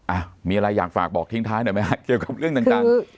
อ่ะมีอะไรอยากฝากบอกทิ้งท้ายหน่อยไหมฮะเกี่ยวกับเรื่องต่าง